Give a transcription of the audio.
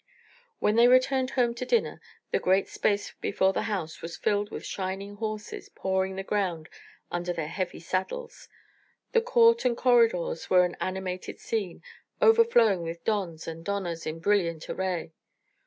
When they returned home to dinner the great space before the house was filled with shining horses pawing the ground under their heavy saddles. The court and corridors were an animated scene, overflowing with dons and donas in brilliant array.